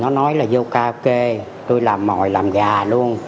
tại vì nó nói là vô cao kê tôi làm mòi làm gà luôn